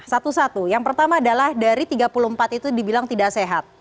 satu satu yang pertama adalah dari tiga puluh empat itu dibilang tidak sehat